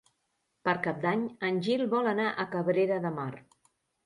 Per Cap d'Any en Gil vol anar a Cabrera de Mar.